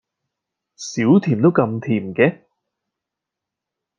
少甜都咁甜嘅？